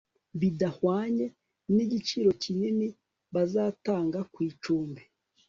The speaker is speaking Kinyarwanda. bidahwanye nigiciro kinini bazatanga ku icumbi